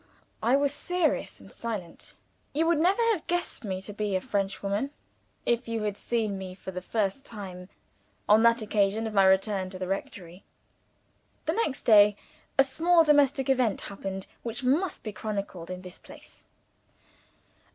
I was serious and silent. You would never have guessed me to be a Frenchwoman, if you had seen me for the first time on the occasion of my return to the rectory. The next day a small domestic event happened, which must be chronicled in this place.